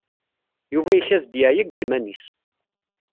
Yuba ikad-d yeɛya deg iman-is.